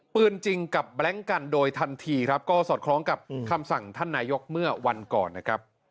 จริงกับแบล็งกันโดยทันทีครับก็สอดคล้องกับคำสั่งท่านนายกเมื่อวันก่อนนะครับ